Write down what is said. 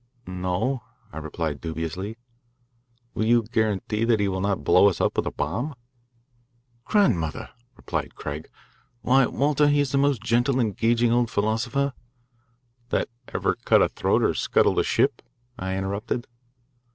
"No," I replied dubiously. "Will you guarantee that he will not blow us up with a bomb?" "Grandmother!" replied Craig. "Why, Walter, he is the most gentle, engaging old philosopher " "That ever cut a throat or scuttled a ship?" I interrupted.